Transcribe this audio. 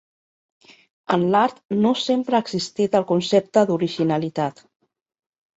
En l'art no sempre ha existit el concepte d'originalitat.